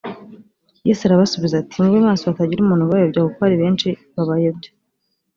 yesu arabasubiza ati “ mube maso hatagira umuntu ubayobya kuko hari benshi babayobya’’.